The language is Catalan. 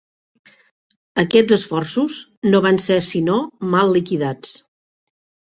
Aquests esforços no van ser sinó mal liquidats.